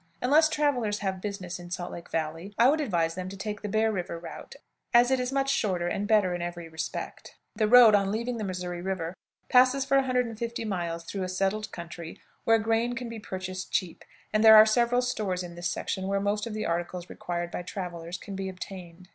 Unless travelers have business in Salt Lake Valley, I would advise them to take the Bear River route, as it is much shorter, and better in every respect. The road, on leaving the Missouri River, passes for 150 miles through a settled country where grain can be purchased cheap, and there are several stores in this section where most of the articles required by travelers can be obtained.